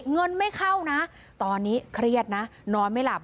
เงินไม่เข้านะตอนนี้เครียดนะนอนไม่หลับ